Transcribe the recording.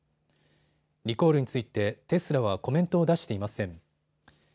リコールについてテスラはコメントを出していません。